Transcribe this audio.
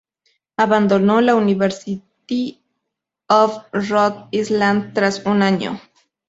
Abandonó la University of Rhode Island tras un año.